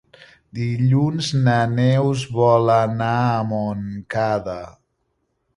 Dilluns na Neus vol anar a Montcada.